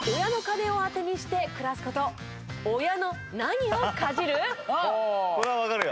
これはわかるよ。